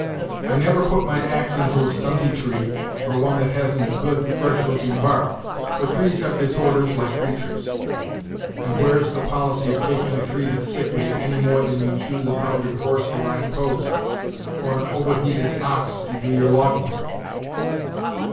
I never put my axe into a stunty tree, or one that hasn't a good, fresh looking bark: for trees have disorders, like creatur's; and where's the policy of taking a tree that's sickly, any more than you'd choose a foundered horse to ride post, or an over heated ox to do your logging?"